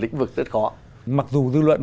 lĩnh vực rất khó mặc dù dư luận